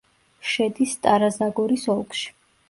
შედის სტარა-ზაგორის ოლქში.